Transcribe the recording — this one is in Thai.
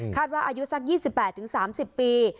ว่าอายุสัก๒๘๓๐ปี